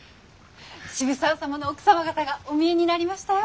渋沢様の奥様方がお見えになりましたよ。